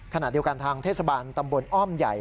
ขณะเดียวกันทางเทศบาลตำบลอ้อมใหญ่